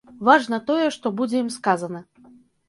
Важна тое, што будзе ім сказана.